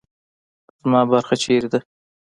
زما برخه چیرې ده؟